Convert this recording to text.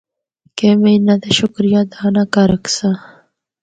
کہ میں اناں دا شکریہ ادا نہ کر ہکساں۔